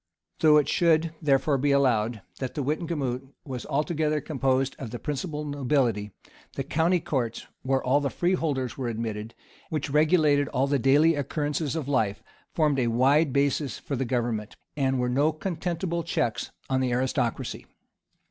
Though it should, therefore, be allowed, that the wittenagemot was altogether composed of the principal nobility, the county courts, where all the freeholders were admitted, and which regulated all the daily occurrences of life, formed a wide basis for the government, and were no contemptible checks on the aristocracy.